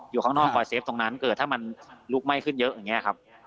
อยู่ข้างนอกรอยเซฟตรงนั้นเกิดถ้ามันลุกไหม้ขึ้นเยอะอย่างนี้ครับ